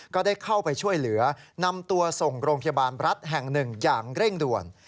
ก็ได้เข้าไปช่วยเหลือนำตัวส่งโรงพยาบาลรัฐแห่งหนึ่งอย่างเร่งด่วน